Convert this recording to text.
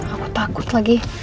aku takut lagi